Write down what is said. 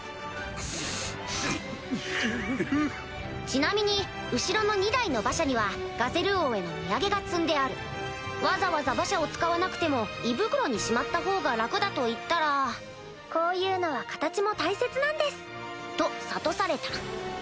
ちなみに後ろの２台の馬車にはガゼル王への土産が積んであるわざわざ馬車を使わなくても胃袋にしまったほうが楽だと言ったらこういうのは形も大切なんですと諭された